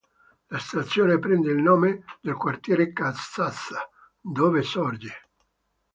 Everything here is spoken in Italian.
La stazione prende il nome dal quartiere Casazza, dove sorge.